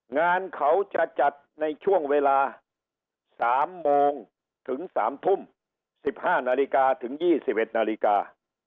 งานเขาจะจัดในช่วงเวลา๓โมงถึง๓ทุ่ม๑๕นาฬิกาถึง๒๑นาฬิกา